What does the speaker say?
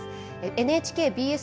ＮＨＫＢＳ